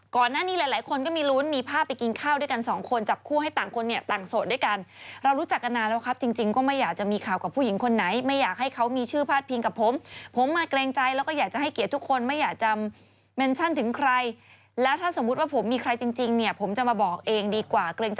ก่อนหน้านี้หลายหลายคนก็มีลุ้นมีภาพไปกินข้าวด้วยกันสองคนจับคู่ให้ต่างคนเนี่ยต่างโสดด้วยกันเรารู้จักกันนานแล้วครับจริงจริงก็ไม่อยากจะมีข่าวกับผู้หญิงคนไหนไม่อยากให้เขามีชื่อพาดพิงกับผมผมมาเกรงใจแล้วก็อยากจะให้เกียรติทุกคนไม่อยากจะเมนชั่นถึงใครแล้วถ้าสมมุติว่าผมมีใครจริงเนี่ยผมจะมาบอกเองดีกว่าเกรง